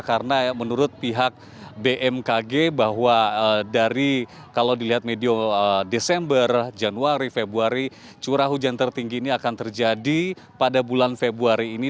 karena menurut pihak bmkg bahwa dari kalau dilihat media desember januari februari curah hujan tertinggi ini akan terjadi pada bulan februari ini